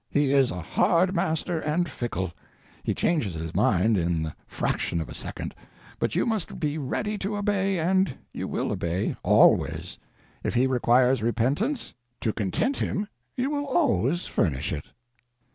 He is a hard master and fickle; he changes his mind in the fraction of a second, but you must be ready to obey, and you will obey, always. If he requires repentance, you content him, you will always furnish it.